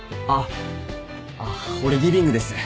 あっ俺リビングです。